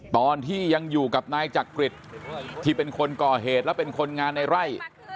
ตอนที่ยังอยู่กับนายจักริตที่เป็นคนก่อเหตุและเป็นคนงานในไร่